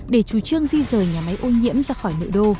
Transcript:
để chủ trương di rời nhà máy ô nhiễm ra khỏi nội đô